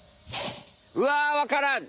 うわわからん！